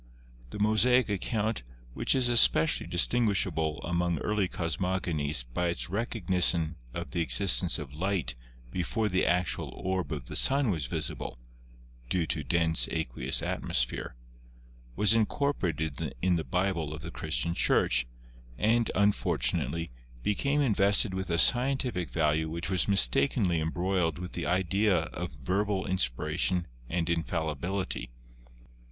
The Mosaic account, which is espe cially distinguishable among early cosmogonies by its recognition of the existence of light before the actual orb of the Sun was visible (due to dense aqueous atmosphere) was incorporated in the Bible of the Christian Church, and, unfortunately, became invested with a scientific value which was mistakenly embroiled with the idea of verbal inspiration and infallibility.